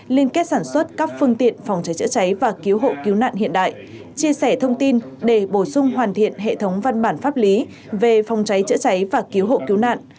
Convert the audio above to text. liên kết sản xuất các phương tiện phòng cháy chữa cháy và cứu hộ cứu nạn hiện đại chia sẻ thông tin để bổ sung hoàn thiện hệ thống văn bản pháp lý về phòng cháy chữa cháy và cứu hộ cứu nạn